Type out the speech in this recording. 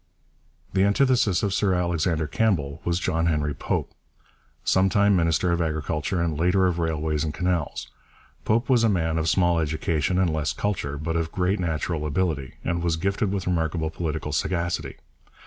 The antithesis of Sir Alexander Campbell was John Henry Pope, sometime minister of Agriculture and later of Railways and Canals. Pope was a man of small education and less culture, but of great natural ability, and was gifted with remarkable political sagacity.